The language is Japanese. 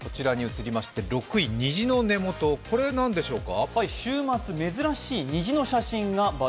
６位、虹の根元、これは何でしょうか？